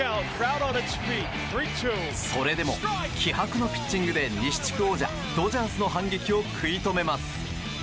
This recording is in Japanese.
それでも気迫のピッチングで西地区王者ドジャースの反撃を食い止めます。